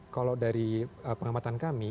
kalau dari pengamatan kami